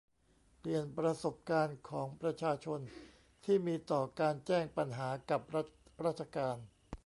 เปลี่ยนประสบการณ์ของประชาชนที่มีต่อการแจ้งปัญหากับรัฐราชการ